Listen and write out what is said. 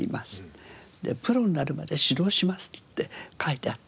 「プロになるまで指導します」って書いてあって。